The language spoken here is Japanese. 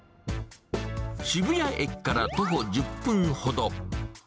渋谷駅から徒歩１０分ほど。